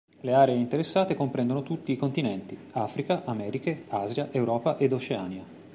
Le aree interessate comprendono tutti i continenti: Africa, Americhe, Asia, Europa ed Oceania.